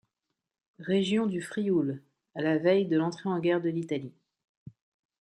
Région du Frioul, à la veille de l'entrée en guerre de l'Italie.